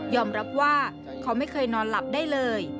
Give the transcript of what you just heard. รับว่าเขาไม่เคยนอนหลับได้เลย